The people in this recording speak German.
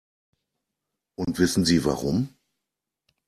Und wissen Sie warum?